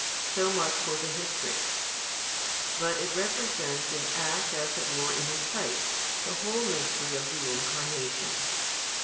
So much for the history. But it represents in act as it were in a type, the whole Mystery of the Incarnation.